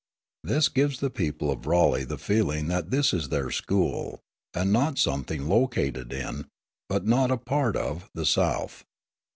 This gives the people of Raleigh the feeling that this is their school, and not something located in, but not a part of, the South.